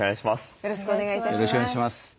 よろしくお願いします。